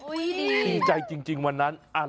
อุ๊ยถี่ใจจริงวันนั้น